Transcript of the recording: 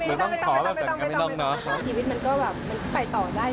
ชีวิตมันก็แบบไปต่อได้สบายไม่ต้องปากตัวอะไร